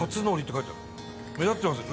目立ってますよ。